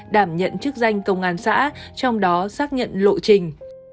đảm nhận chức danh công an xã trong đó xác nhận lộ trình